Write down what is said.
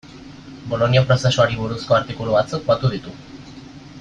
Bolonia prozesuari buruzko artikulu batzuk batu ditu.